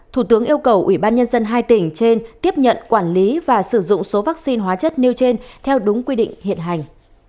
thủ tướng yêu cầu ủy ban nhân dân hai tỉnh trên tiếp nhận quản lý và sử dụng số vaccine hóa chất nêu trên theo đúng quy định hiện hành